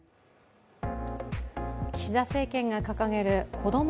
岸田政権が掲げる子ども